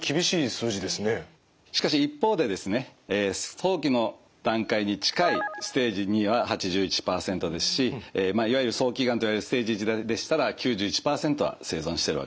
早期の段階に近いステージ２は８１％ですしいわゆる早期がんといわれるステージ１でしたら９１％は生存してるわけです。